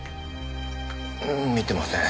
見てません。